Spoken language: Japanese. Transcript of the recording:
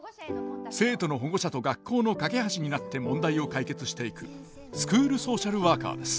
生徒の保護者と学校の架け橋になって問題を解決していくスクールソーシャルワーカーです。